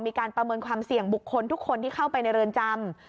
มีการประเมินความเสี่ยงบุคคลทุกคนที่เข้าไปในเรือนจำ